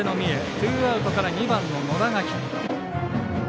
ツーアウトから２番の野田。